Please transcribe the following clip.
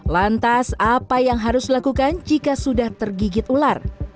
lantas apa yang harus dilakukan jika sudah tergigit ular